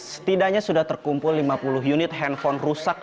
setidaknya sudah terkumpul lima puluh unit handphone rusak